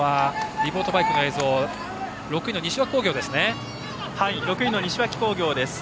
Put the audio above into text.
リポートバイクの映像６位の西脇工業ですね。